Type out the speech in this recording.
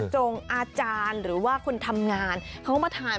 จงอาจารย์หรือว่าคนทำงานเขามาทาน